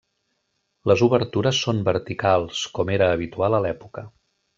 Les obertures són verticals, com era habitual a l'època.